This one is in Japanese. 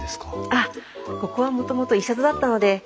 あっここはもともとイシャドだったので。